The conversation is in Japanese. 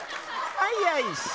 はい、よいしょ。